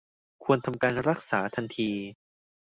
ควรทำการรักษาทันที